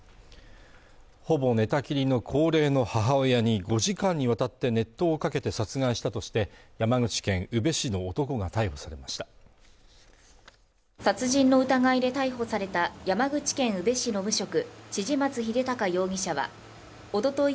ほぼ寝たきりの高齢の母親に５時間にわたって熱湯をかけて殺害したとして山口県宇部市の男が逮捕されました殺人の疑いで逮捕された山口県宇部市の無職千々松秀高容疑者はおととい